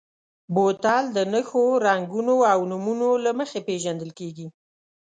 بوتل د نښو، رنګونو او نومونو له مخې پېژندل کېږي.